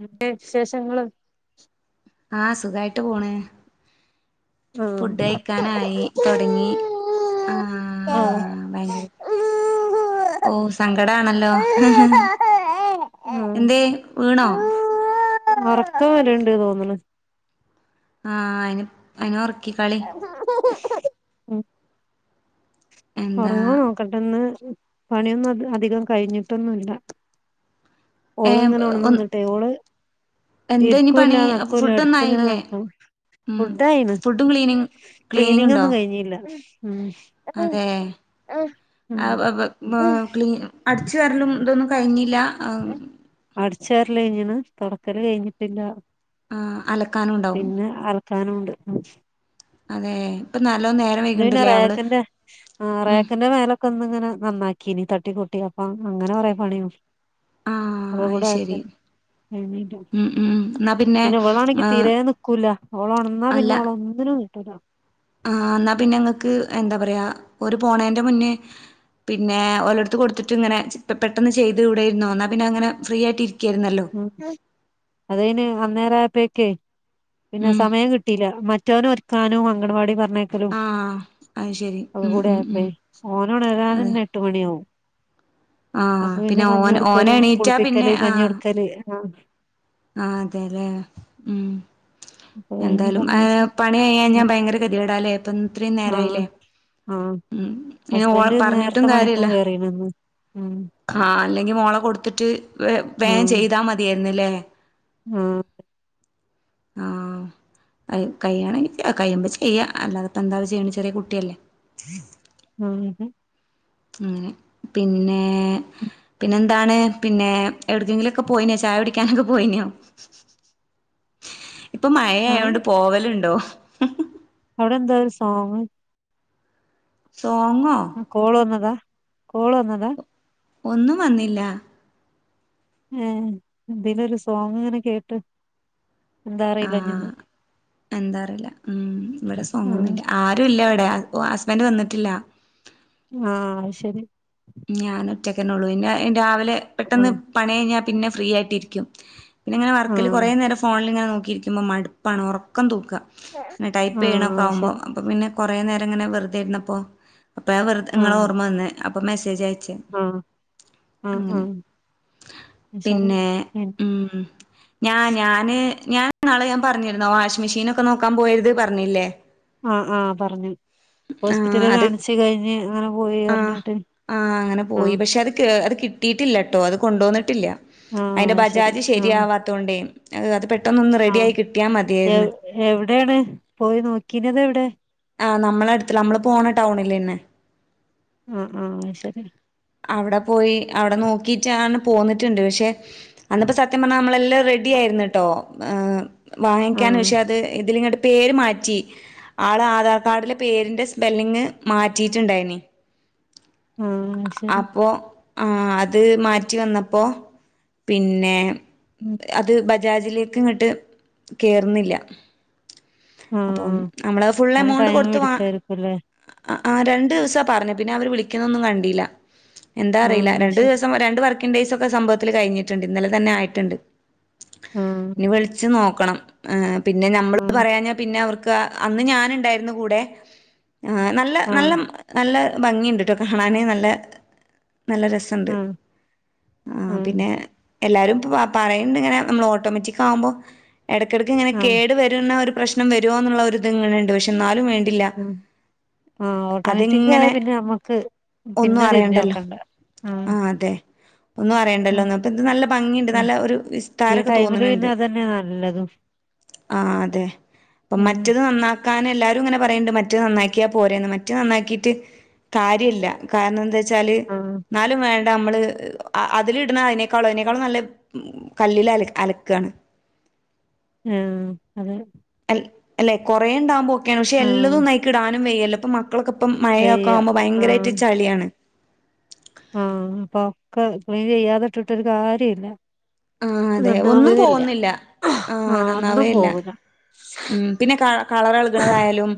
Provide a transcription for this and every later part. ന്തൊക്കെ വിശേഷങ്ങള് ആഹ അ സുഖായിട്ട് പോണ് ഫുഡ് കഴിക്കാനായി തുടങ്ങി ഉം ഉം ഓ സങ്കടാണല്ലോ എന്തേ വീണോ ഉറക്കാൻ വരണ്ട് തോന്നണ ആഹ അയിന് ആയിനോറ [unintelligible] എന്താ ഉറങ്ങോ നോക്കട്ടെന്ന് പണിയൊന്നും അ അധികം കഴിഞ്ഞിട്ടൊന്നുല്ല ഏ ഓള് ഇങ്ങനെ ഉണന്ന് വന്നിട്ടെ ഓള് എന്താ ഇനി ഇരിക്കൂല്ല പണി നടക്കില്ല ഫുഡൊന്നും അടുത്ത്ങ്ങനെ ആയില്ലേ നടക്കണം ഉം ഫുഡ ആയിണ് ഫുഡും ക്ലീനിങ് ക്ലീനിങ് ഉണ്ടോ ഒന്നും കഴിഞ്ഞില്ല ഉം ആ ഉം [unintelligible] ക്ലീ അടിച്ചു വരലും ഇതൊന്നും കഴിഞ്ഞില്ല ചേർല കഴിഞ്ഞണ് തുടക്കല് കഴിഞ്ഞിട്ടില്ല ആ അലക്കാന ഉണ്ടാവും കാനണ്ട് അതെ ഇപ്പൊ നല്ലോം നേരം അ പിന്നെ വൈകിണ്ട്ല്ലേ അവള് റേക്കന്റെ ആ ഉം റേക്കന്റെ മേലൊക്കെ ഒന്ന്ങ്ങനെ നന്നാക്കിനീ തട്ട ട്ടി കുട്ടിയാപ്പ അങ്ങനെ കുറപണിയും ആഹ് അത് ഒകെകൂടെ അയ്യപ്പോ ശരി [inaudible] ഉം ഉം എന്നാ പിന്നെ ഇവളാണെക്കിൽ ആഹ് തിരെ നിക്കൂല ഓള് ഓണർന്നാൽ പിന്നെ ഒന്നിനും ആയികൂല ആ ന്നാ പിന്നെ ങ്ങൾക്ക് എന്താ പറയാ ഒരു പോണേന്റെ മുന്നേ പിന്നെ ഓലെടുത്ത് കൊടുതീണ്ട് ഇങ്ങനെ പെട്ടെന്ന് ചെയ്ത് ഇവിടെയിരുന്നു വന്നാ പിന്നെ അങ്ങനെ ഫ്രീ ആയിട്ട് ഇരിക്കായിരുന്നല്ലോ ഉ അതയൻ അന്നേരയാപെക്ക് പിന്നെ ഉം സമയം കിട്ടിയില്ല മറ്റൊനെ ഒരുക്കാനും അംഗൻവാടി പറ പറഞ്ഞയക്കലും ആഹ് അത് ശരി ഒകെ ഉം കൂടെ ഉം ഉം ആയപ്പോേ അതെ ഓനണരാനന്നെ എട്ട് മണിയാാവും ആഹ് അപ്പൊ പിന്നെ കഞ്ഞി ഓൻ ഓന് കൊടുക്കല് എണീറ്റാ കുളിപ്പിക്കല് കഞ്ഞി കൊടുക്കല് ആ അതെല്ലേ ഉം അപ്പൊ കഴിഞ്ഞ് എന്തായാലും എ പറഞ്ഞയച്ച് പണി കഴിയാഞ്ഞാ ഉം ഭയങ്കര ഗതിപ്പെടാലേ ഇപ്പൊ ഇത്രയും നേരായില്ലേ ആഹ ഉം ഇനി ഹസ്ബൻഡ് നേരത്തെ പണിക്കും കേയറീനന്ന് ആഹ അല്ലെങ്കി മോള കൊടുത്തിട്ട് വ വേഗം ചെയ്താ മതിയായിുന്നല്ലേ ആഹ ക്യയാണെങ്കിൽ കഴിയുമ്പോ ചെയ്യ അല്ലാതെപ്പ എന്താ ചെയ്യണ ചെറിയ കുട്ടിയല്ലേ [unintelligible] അഹ് [unintelligible] അങ്ങനെ പിന്നെ, പിന്നെ എന്താണ് പിന്നെ എവിക്കെങ്കിലുംക്കെ പോയിെനോ ചായ കുടിക്കാൻ ഒകെ [unintelligible] [inaudible] ഇപ്പൊ മഴ ആയോണ്ട് ആഹ് പോവലുണ്ടോ [unintelligible] അവിടെന്താ ഒരു സോങ് സോങ്ങോ ആ കോളു വാന്നതാ കോളു വാന്നതാ ഒന്നും വന്നില്ല ഏ എന്തേലൊരു സോങ് ഇങ്ങനെ കേട്ട് എന്താ അറിയില്ല [unintelligible] എന്താറിയില്ല ഉം ഇവിടെ ആഹ് സോങ്ഒന്നുല്ല്യ ആരും ഇല്ലാവിടെ ഓ ഹസ്ബൻഡ് വന്നിട്ടില്ല ആഹ് ശരി ഉറ്റക്കനെ ഉള്ളു പിന്നെ രാവിലെ പെട്ടെന്ന് ആഹ് പണി കഴിഞ്ഞാൽ പിന്നെ ഫ്രീ ആയട്ടിരിക്കും പിന്നെ ഇങ്ങനെ വർക്കിൽ കുറേ ആഹ് നേരംഫോണിൽ ഇങ്ങനെ നോക്കിയിരിക്കുമ്പൾ മടുപ്പാണ് ഉറക്കം തൂക്കുക ആഹ് അത് ടൈപ്പ്ണെആകുമ്പോ ശരി അപ്പൊ പിന്നെ കുറേ നേം ഇങ്ങനെ വെറുതൊയിരുന്നപ്പോ അപ്പോ ആ വെറെ നിങ്ങെളെ ആഹ് ഓർമ്മ വന്നന്ന് അപ്പൊ മെസ്സേജ് [unintelligible] ആഹ് ആഹ് ആഹ് അങ്ങനെ അത് ശരി പിന്നെ ഉം ഞാ ഞാന് ഞാൻ നാളെ ഞാൻ പറഞ്ഞിരുന്നോ വാഷിംഗ് മെഷീൻ ഒക്കെ നോക്കാൻ പോയത് പറഞ്ഞില്ലേ ആ ആഹ് പറഞ്ഞു ഹോസ്പിറ്റലിൽ അത് കാണിച്ചു കഴിഞ്ഞ് അങ്ങനെ പോയി ആ പറഞ്ഞിട്ട് ആഹ് അങ്ങനെ പോയി ആഹ് പക്ഷെ അത് അത് കിട്ടിയിട്ടില്ലട്ടോ അത് കൊണ്ടുവന്നിട്ടില്ല ആഹ് അതിന്റെ അത് ശരി ബജാജ് ആഹ് ശരിയാവാതോണ്ടേ അത് [unintelligible] പെട്ടന്നൊന്ന് റെഡി ആഹ് ആയി കിട്ടിയാൽ മതിയായിരുന്നു എവ് എവിടെയാണ് പോയി നോക്കീനത എവിടെ ആഹ് നമ്മള അടുത്ത നമ്മള് പോണ ടൗണില്ന്നെ ആഹ് ആഹ് ശരി അവിടെ പോയി അവിടെ നോക്കിട്ടാണ് പോന്നിട്ടുണ്ട് പക്ഷെ അന്നപ്പോ സത്യം പറഞ്ഞാനമ്മളെല്ലാം റെഡി ആയിരുന്നിട്ടോ വാങ്ങിക്കാൻ ആഹ് പക്ഷെ അത് ഇതിലഇങ്ങോട്ട് പേര് മാറ്റി ആള് ആധാർ കാഡിലെ പേരിന്റെ സ്പെല്ലിങ് മാറ്റിയിട്ടുണ്ടായിന് ആഹ് ശരി അപ്പോആ അത് മാറ്റി വന്നപ്പോ പിന്നെ ഉം അത് ബജാജിലേക്ക് ഇങ്ങട്ട് കേയറ്ന്നില്ല അപ്പം ആഹ് നമ്മള് ഫുൾ അങ്ങനെ എമൗണ്ട് ടൈം കൊടുത്ത് എടുക്കായിരിക്കുംല്ലേ [unintelligible] ആ രണ്ടു ദിവസ പറഞ്ഞു പിന്നെ അവർ വിളിക്കുന്നൊന്നും കണ്ടില്ല എന്താ അറിയില്ല ആഹ് രണ്ട ശരി ദിവസം [unintelligible] [unintelligible] സംഭവത്തിൽ കഴിഞ്ഞിട്ടുണ്ട് ഇന്നലെ തന്നെ ആയിട്ടുണ്ട് ആഹ് ഇനി വിളിച്ച് [unintelligible] [unintelligible] ഏ പിന്നെ അത് ആഹ് പറയാഞ്ഞ പിന്നെ അവർക്ക് അന്ന് ഞാനുണ്ടായിരുന്നു കൂടെ ആ നല്ല നല്ല ആഹ് നല്ല ഭംഗിയുണ്ട്ട്ടോ കാണാന് നല്ല നല്ല രസണ്ട് ആഹ് ആ ആഹ് പിന്നെ എല്ലാരും പറയുണ്ട് ഇങ്ങനെ നമ്മൾ ഓട്ടോമാറ്റിക് ആവുമ്പോൾ ഇടയ്ക്കിടയ്ക്ക് ഇങ്ങനെ ആഹ് കേട് [unintelligible] ഒരു പ്രശ്നം വരുമോന്നുള്ള ഒരുരിത്ങ്ങനുണ്ട് പക്ഷെ എന്നാലും വേണ്ടില്ല. ആ ഓട്ടോമാറ്റിക് ആയ അതിങ്ങനെ പിന്നെ നമ്മക്ക് ഒന്നും പിന്നെ തിരിഞ്ഞ് അറിയണ്ടല്ലോ നോക്കണ്ട ആ ഒന്നും അറിയണ്ടല്ലോന്ന് അപ്പൊ ഇത് നല്ല ഭംഗിയണ്ട് ഉം നല്ല ഒരു ഈ വിസ്താരാക്കെ ടൈമില് പിന്നെ തോന്നണണ്ട് അതന്നെ [unintelligible] ആ അതെ അപ്പം ഉം മറ്റത് നന്നാക്കാൻ എല്ലാരും ഇങ്ങനെ [unintelligible] മറ്റെന്നന്നാക്കിയാൽ പോരെന്ന് മറ്റേ നന്നാക്കിട്ട് കാര്യല്ല കാരണഎന്താ [unintelligible] ആഹ് [unintelligible] നാലും [unintelligible] നമ്മള് അതില് ഇടുന്ന അയ്നേക്കാളും അയ്നേക്കാളും നല്ല കല്ലിൽ അല അലക്കാണ് ഉം അതെ അല്ലെ കൊറേ ടികുമ്പോൾ ഓക്കെയാണ് പക്ഷെ ആഹ് എല്ലതും [unintelligible] മക്കളൊക്കെപ്പം മഴയൊക്കെ വയ്യ ആമ്പോ ഭയങ്കരായിട്ട് ചളിയാണ് ആ അപ്പൊ ഒക്കെ ക്ലീൻ ചെയ്യാതിട്ടിട്ടൊരു കാര്യല്ലാ ആഹ് അതെ നന്നാവ് ഒന്നും ല്യാ പോകുന്നില്ല ആ ആഹ് ഒന്നും നന്നാവേയില്ല പോവൂല്ല ഉം പിന്നെ ക കളർഏളകണതായാലും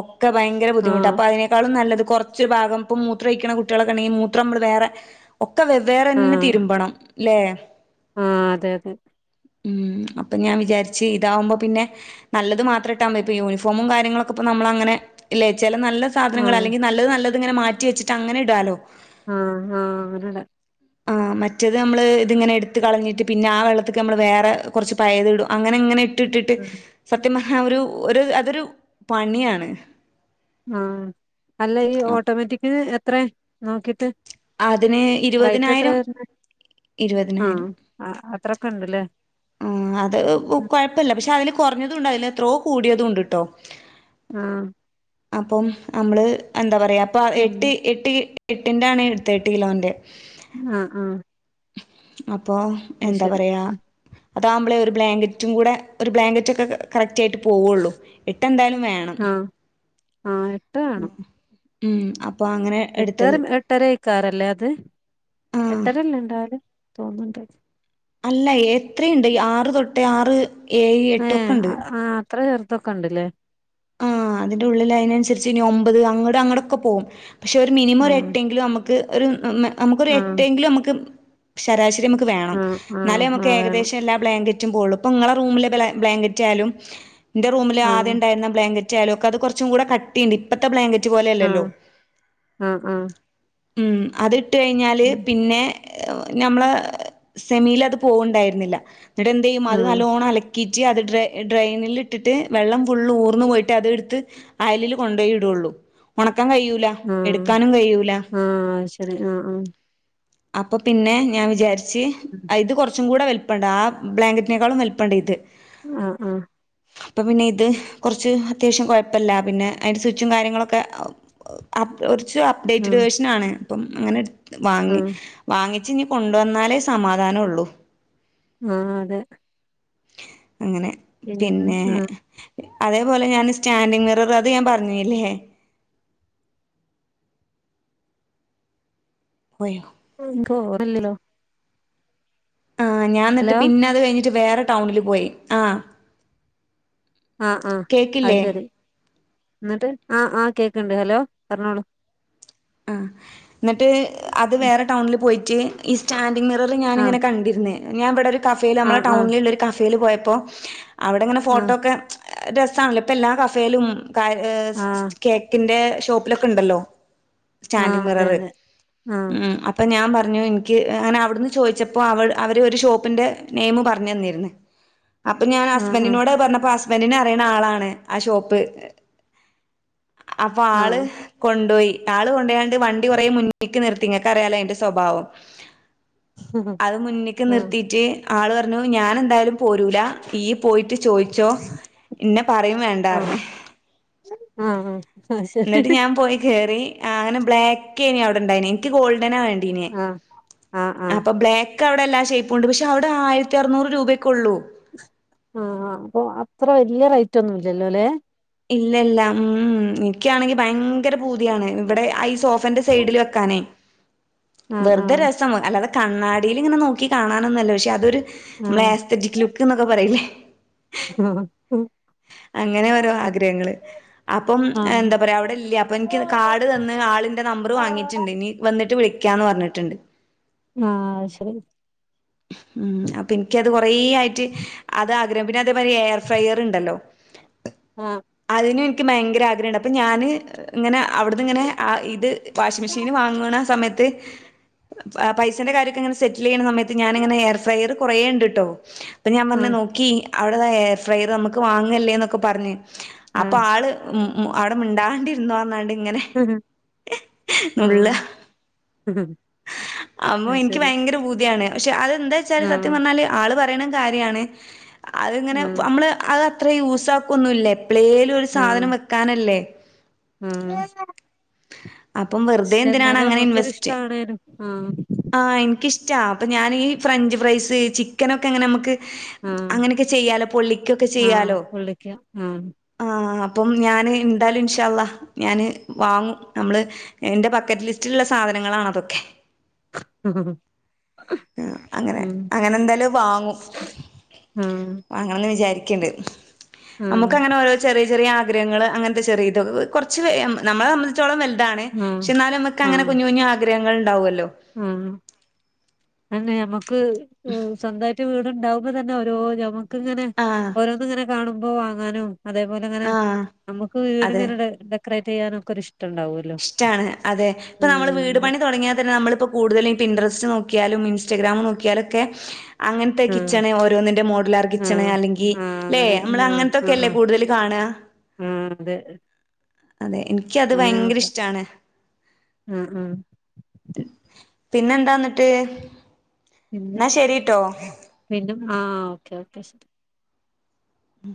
ഒക്കെ ഭയങ്കര ആ ബുദ്ധിമുട്ട് അപ്പൊ അതിനേക്കാളും നല്ലത് കുറച്ചരു ഭാഗം ഇം മൂത്രം കഴിക്കുന്ന കുട്ടികളൊക്കെ ഉണ്ടെങ്കിൽ മൂത്രം നമ്മൾ വേറെ [unintelligible] ഒക്കെ ആ വെവേറെന്നെ തിരുമ്പണം ല്ലേ ആ അതെ അതെ ഉം അപ്പൊ ഞാൻ വിജാരിച്ച് ഇതാവുമ്പോ പിന്നെ നല്ലത് മാത്ര ഇട്ടാവുമ്പോ ഇപ്പോ യൂണിഫോമും കാര്യങ്ങളൊക്കെ ഇപ്പോ നമ്മള അങ്ങനെ ല്ലേ ചില നല്ല ആ സാധനങ്ങൾ അല്ലെങ്കിൽ നല്ലത് നല്ലത് ഇങ്ങന മാറ്റി വെച്ചിട്ട് അങ്ങനെ ഇടല്ലോ ആ ആ അങ്ങന്നെടാ ആ മറ്റേത് നമ്മള് ഇതിങ്ങനെ എടുത്ത് കളഞ്ഞിറ്റ് പിന്നെ ആ വെള്ളത്തിക്ക് നമ്മൾ വേറെ കുറച്ച് പയത് ഇടും അങ്ങനെ ഇങ്ങനെ ഇട്ടിട്ടിട്ട് ആ സത്യമഹ ഒരു ഒരു അതൊരു പണിയാണ് ആ അല്ല ഈ അപ് ഓട്ടോമാറ്റിക്ന് എത്ര നോക്കിട്ട് അതിന് റേറ്റ് എത്ര ഇരുവതിനായിരം വരുന്നെ ആ അ അത്രൊക്കെണ്ട്ല്ലേ ആ അത് കൊഴപ്പില്ല പക്ഷെ അതില് കുറഞ്ഞതുംണ്ട അതില് എത്രോ കൂടിയതുംണ്ട്ട്ടോ ആ അപ്പം നമ്മള് എന്താ പറയാ അപ്പൊ ഉം എട്ട് എട്ട് എട്ടിൻ്റാണ് എടുത്തെ ഏട്ടുകിലോന്റെ അ ആ അപ്പൊം അത് എന്താ ശരി പറയാ ഉം അതാവുബ്ലെ ഒരു ബ്ലാങ്കറ്റും കൂടെ ഒരു ബ്ലാങ്കറ്റ് ഒക്കെ [unintelligible] [unintelligible] ആയിട്ട് പോവുള്ളൂ എട്ടെന്തായാലും വേണം ആ ആ എട്ട് വേണം ഉം [unintelligible] എട്ടര എടുത്തത് എട്ടരയിക്കാറല്ലേ അത് ആഹ് എട്ടരല്ലേ ഉണ്ടാവല് തോന്ന്ണ്ട് അല്ല എത്രയുണ്ട് ആറ് തൊട്ടേ ആറ് ഏഴ് എട്ട് ഒക്കെ ഉണ്ട് എത്ര ചേര്തൊക്കെണ്ട്ല്ലേ ആ അതിൻ്റെ ഉള്ളിൽ അതിനനുസരിച്ച് ഇനി ഒൻമ്പത് അങ്ങട് അങ്ങോടൊക്കെ പോകും പക്ഷെ ഒരു മിനിമം ആ ഒരെട്ടെങ്കിലും നമുക്ക് ഒരു നമുക്കൊരു ആ എട്ടെങ്കിലും നമുക്ക് ശരാശരി [unintelligible] വേണം ആ ആ എന്നാലും ആ നമുക്ക് വേണം ഏകദേശം എല്ലാ ബ്ലാങ്കറ്റ് [unintelligible] ഇങ്ങളെ റൂമില് ബ്ലാ ബ്ലാങ്കറ്റ് ആാലും എന്റെ റൂമില് ആ ആദ്യം ഉണ്ടായിരുന്ന ബ്ലാങ്കറ്റ് ചെലോക്ക് അത് കുറച്ചുടെ കട്ടിണ്ട് ഇപ്പത്തെ ബ്ലാങ്കറ്റ് ആഹ പോലെയല്ലല്ലോ ആഹ ആഹ മം അത് ഇട്ട് കഴിഞ്ഞാല് പിന്നെ ഞമ്മള സെമീലത് പോവണ്ടായിരുന്നില്ല എന്നിടെ എന്ത് ചെയ്യും ആഹ് ആഹ് അത് നല്ലോണം [unintelligible] [unintelligible] ഡ്രെനിൽ ഇട്ടിട്ട് വെള്ളം ഫുള് ഊർന്നു പോയിട്ട് [unintelligible] അത്ടെത്ത് അയലില് കൊണ്ടോയി ഇടൂള്ളു [unintelligible] നടക്കാൻ കയൂല എടുക്കാനും കയൂല [unintelligible] ആഹ ആഹ അപ്പൊ പിന്നെ ഞാൻ വിജാരിച്ച് ആഹ് അയ്ത് കുറച്ചും കൂടെ [unintelligible] [unintelligible] ആ ബ്ലാങ്കറ്റിനേക്കാും [unintelligible] ഇത് ആഹ് ആഹ് അപ്പൊ പിന്നെ ഇത് കുറച്ച് അത്യാവശ്യം കുയപ്പില്ല പിന്നെ അതിന്റെ സ്വിച്ചും കാര്യങ്ങളൊക്കെ അ ഒരു കുറച്ച് അപ്ഡേറ്റഡ് ആഹ് വേർഷനാണ് അപ്പം അങ്ങനെ എടുത്ത് വാങ്ങി ആഹ് വാങ്ങിച്ച് നീ കൊണ്ട വന്നാലേ സമാധാനംള്ളൂ ആ അതെ അങ്ങനെ പിന്നെ അതേപോലെ പോയോ ോ [unintelligible] ആ ഞാൻ എന്നിട്ട് പിന്നെ അത് കഴിഞ്ഞിട്ട് വേറെ ടൗണില് പോയി ആ ആഹ ആഹ അത് കേക്കില്ലേ ശരി എന്നിട്ട് ആ ആ കേക്കണ്ട് ഹലോ പറഞ്ഞോളൂ ആ എന്നിട്ട് അത് വേറെ ടൗണിൽ പോയിട്ട് ഈ സ്റ്റാൻ ൻ മിറർ ആഹ് ഞാനിങ്ങന കണ്ടിുന്ന ഞാ ഇവിടെ ഒരു കഫേൽ നമ്മുടെ ആഹ് ആഹ് ടൗണില ഒരു കഫേൽ പോയപ്പോൾ അവിടെങ്ങനെ ഫോട്ടോ ആഹ് ഒക്കെ രസമാണല്ലോ ഇപ്പം എല്ലാ കഫേയിലും കാ ഏ ആഹ് കേക്കിന്റെ ഷോപ്പിലൊക്കെ ഉണ്ടല്ലോ സ്റ്റാൻഡി ആഹ് അതെ മിററ് അതെ ആഹ് ഉ അപ്പൊ ഞാൻ പറ പറഞ്ഞു എനിക്ക് അങ്ങനെ അവിടുന്ന് ചോദിച്ചപ്പോ അവ അവര് ഒരു ഷോപ്പിന്റെ നെയിമ് പറഞ്ഞു തന്നിര്ന്ന് അപ്പൊ ഞാൻ ആഹ് ആഹ് ഹസ്ബൻഡിനോട് പറഞ്ഞപ്പ ഹസ്ബൻഡിനന് അറിയുന്ന ആളാണ് ആ ഷോപ്പ് അപ്പൊ ആള് ആഹ് കൊണ്ടോയി ആള് കൊണ്ടെങ്ങാണ്ട് വണ്ടി കുറ മുന്നിക്ക് നിർത്തിങ്ങക്ക അറിയാലോ അയിന്റെ സ്വഭാവം അത് മുന്നേക്ക് ആഹ് നിർത്തിട്ട് ആള് പറഞ്ഞു ഞാൻ എന്തായാലും പോരൂല ഇയ്യ് പോയിട്ട് ചോയിച്ചോ ഇന്നെ പറിമ് വെണ്ടാർഞ് ആ ആ എന്നിട്ട് ഞാൻ പോയി കേറി അങ്ങനെ ബ്ലാക്കനി അവിടെണ്ടായി എനിക്ക്ഗോൾഡ് നെ വേണ്ടീന് ആഹ് ആഹ് ആഹ് അപ്പൊ ബ്ലാക്ക് അവടെ എല്ലാ ഷെയപ്പും ഉണ്ട് പക്ഷ് അവിടെ ആയിരത്തി അറനൂറ് രൂപയ്ക്കുള്ളൂ ആഹ അപ്പൊ അത്ര വലിയ റേറ്റ് ഒന്നുംല്ലല്ലോ ല്ലെ ഇല്ല ഇല്ല ഉ നിക്കണെങ്കി ഭയങ്കര പൂതിയണ് ഇവിടെ ഐസ് ഓഫന്റെ സൈഡിൽ വെക്കാനെ ആഹ് വെറുതെ ആഹ് രസം അല്ലാതേ കണ്ണാടിൽ ഇങ്ങനെ നോക്കി കാണാനന്നല്ലോ പക്ഷെ അതൊരു മേസ്തറ്റിക് ലുക്ക് എന്നൊക്കെ പറയില്ലേ ആ അങ്ങനെ ഓരോ ആഗ്രഹങ്ങള് അപ്പം ആഹ് എന്താ പറയാ അവിടെ ഇല്ല്യ അപ്പൊ എനിക്ക് കാട് തന്ന് ഇന്റെ നമ്പർ വാങ്ങിട്ടുണ്ട് ഇനി വന്നിട്ട് വിളിക്കാന്ന് പറഞ്ഞിട്ടുണ്ട് ആ ശരി ഉം അപ്പൊ എനിക്ക് അത് കൊറേ ആയിട്ട് അത് ആഗ്രഹം പിന്നെ അതേമാതിരി എയർ ഫയർ ഉണ്ടല്ലോ ആഹ് അതിനും എനിക്ക് ഭയങ്കര ആഗ്രഹംണ്ട് അപ്പൊ ഞാന് ഇങ്ങനെ അവിടുന്ന്ങ്ങനെ ആ ഇത് വാഷിംഗ മെഷീൻ വാങ്ങണ ആ സമയത്ത് പൈസേൻ്റെ കാര്യൊക്കെ ഇങ്ങനെ സെറ്റിലെയ്യണ സമയത്ത് ഞാനിങ്ങനെ എയർ ഫ്രയറ് കുറേ ഉണ്ട്ട്ടോ അപ്പം ഞാൻ പറഞ്ഞ് ആഹ് നോക്കി അവിടെ താ എയർ ഫ്രയറ് നമുക്ക് വാങ്ങല്ലേ എന്നൊക്കെ പറഞ്ഞ് അപ്പം ആഹ് ആള് ഉം ഉം അവിടെ മിണ്ടാണ്ടിരുന്നോന്നാണ്ട് ഇങ്ങനെ നുള്ള ആഹ് അമ്മോ അത് എനിക്ക് ശരി ഭയങ്കര പൂതിയാണ് പക്ഷെ അത് എന്താ വെച്ചാല് ആഹ് സത്യം പറഞ്ഞാല് ആള് പറയണേം കാര്യാണ് അതിങ്ങനെ ആഹ് നമ്മള് അത് അത്ര യൂസ് ആക്കൊന്നുംല്ലേ എപ്പളേലും ഒരു സാധനം വെക്കാനല്ലേ ഉം അപ്പം വെറുതെ എന്തിനാണ് അങ്ങനെ നമ്മക്കൊരു ഇൻവെസ്റ്റ് ഇഷ്ടാണേനും ആഹ് ആ എനിക്കിഷ് ഇഷ്ട അപ്പം ഞാൻ ഈ ഫ്രഞ്ച് ഫ്രൈസ് ചിക്കനൊക്കെ അങ്ങനെ നമുക്ക് ആഹ് അങ്ങനെയൊക്കെ ചെയ്യാലോ പൊള്ളിക്കൊക്കെ ആഹ് ചെയ്യാലോ വിളിക്ക ആഹ് ആ അപ്പം ഞാന് എന്തായാലും ഇൻഷാ അള്ളാ ഞാന് വാങ്ങും നമ്മള് എന്റെ ബക്കറ്റ് ലിസ്റ്റിലുള്ള സാധനങ്ങളാണതൊക്കെ മ്മ് അങ്ങനെ അങ്ങനെ എന്തായാലും വാങ്ങും ആഹ് വാങ്ങണംന്ന് വിചാരി ക്ക്ണ്ട് നമുക്ക് ആഹ് അങ്ങനെ ഒരോ ചെറിയ ചെറിയ ആഗ്രഹങ്ങള് അങ്ങനത്തെ ചെറിതൊള്ളു കൊറച്ച് വെ നമ്മളെ സംബന്ധിച്ചോളം വൽ താണ് ആഹ് പക്ഷെ എന്നാലും നമുക്ക് അങ്ങനെ കുഞ്ഞു കുഞ്ഞ് ആഗ്രഹങ്ങൾ ഇണ്ടാവല്ലോ ഉം ആന്നെ നമ്മക്ക് സ്വന്തായിട്ട് വീടുണ്ടുവുമ്പം തന്നെ ഓരോ നമുക്ക് ഇങ്ങനെ ആഹ് ഓരോന്ന് ഇങ്ങനെ കാണുമ്പോ വാങ്ങാനും അതേപോലെ ങ്ങനെ ആഹ് നമുക്ക് അതെ വീടിങ്ങനെ ഡെ ഡെക്കറേറ്റെയ്യാനൊക്കെ ഒരിഷ്ട ഇഷ്ടാണ് അതെ ഇപ്പം നമ്മള് വീട് ഉം പണി തൊടങ്ങിയാ തന്നെ നമ്മളിപ്പം കൂടുതലും ഈ പിൻട്രസ്റ്റ് നോക്കിയാലും ഇൻസ്റ്റഗ്രാമ് നോക്കിയാലൊക്കെ അങ്ങനത്തെ കിച്ചണ് അതെ ഓരോന്നിന്റെ മോഡുലാർ ആഹ് കിച്ചണ് ആഹ് അല്ലെങ്കി ആഹ് ല്ലേ അങ്ങനെ നമ്മള് ആഹ് അങ്ങനത്തൊക്കെ ആഹ് അല്ലേ ആഹ് കൂടുതല് കാണ ആഹ് ആഹ് അതെ അതെ എനിക്ക് അത് അങ്ങനെ ഭയങ്കര നോക്കാം ഇഷ്ടാണ് ആഹ് ആഹ് പിന്നെന്താന്നട്ട് പിന്നെ ന്നാ ശെരിട്ടോ പിന്നെ ആഹ് ഓക്കെ ഓക്കെ ശെരി ഉം